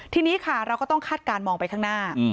ทีนี้ค่ะเราก็ต้องคาดการณ์มองไปข้างหน้า